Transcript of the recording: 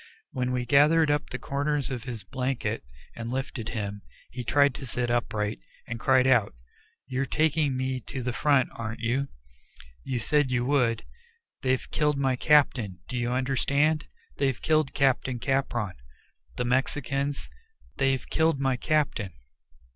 When we gathered up the corners of his blanket and lifted him, he tried to sit upright, and cried out, "You're taking me to the front, aren't you? You said you would. They've killed my captain do you understand? They've killed Captain Capron. The Mexicans! They've killed my captain."